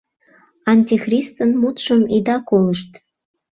— Антихристын мутшым ида колышт!